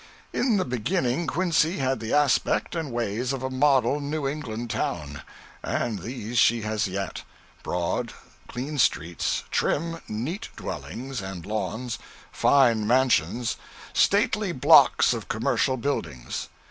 In the beginning Quincy had the aspect and ways of a model New England town: and these she has yet: broad, clean streets, trim, neat dwellings and lawns, fine mansions, stately blocks of commercial buildings.